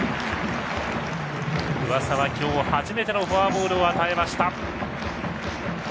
上沢、今日初めてのフォアボールを与えました。